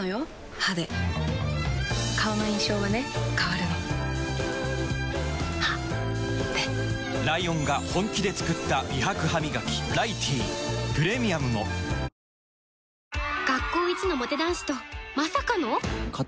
歯で顔の印象はね変わるの歯でライオンが本気で作った美白ハミガキ「ライティー」プレミアムもいつもの濃いめであぁぁ‼